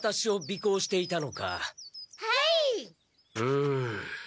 うん。